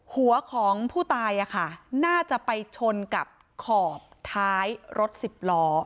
หัวของผู้ตายน่าจะไปชนกับขอบท้ายรถสิบล้อ